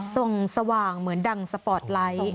สว่างเหมือนดังสปอร์ตไลท์